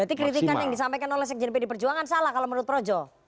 berarti kritikan yang disampaikan oleh sekjen pd perjuangan salah kalau menurut projo